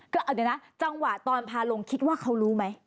ก็เอาเดี๋ยวนะจังหวะตอนพาลงคิดว่าเขารู้ไหม